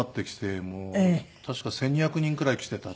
確か１２００人くらい来ていた。